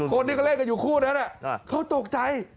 คนที่เขาเล่นกันอยู่คู่นั้นเขาตกใจ